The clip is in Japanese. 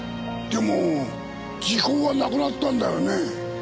でも時効はなくなったんだよね。